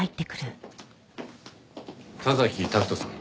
田崎拓人さん